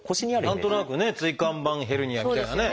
何となくね「椎間板ヘルニア」みたいなね